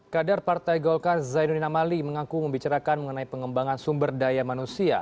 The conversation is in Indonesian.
kader partai golkar zainuddin amali mengaku membicarakan mengenai pengembangan sumber daya manusia